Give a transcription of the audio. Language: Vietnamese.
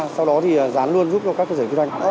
sau đó gián luôn giúp cho các cơ sở kinh doanh